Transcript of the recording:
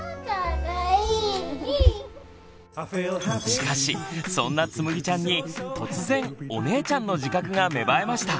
しかしそんなつむぎちゃんに突然「お姉ちゃんの自覚」が芽生えました。